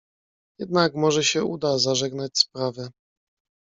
"Jednak może się uda zażegnać sprawę."